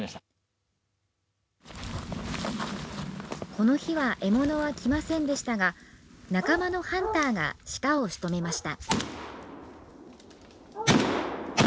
この日は獲物は来ませんでしたが仲間のハンターが鹿をしとめました。